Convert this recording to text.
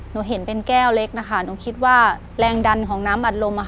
เห็นเป็นแก้วเล็กนะคะหนูคิดว่าแรงดันของน้ำอัดลม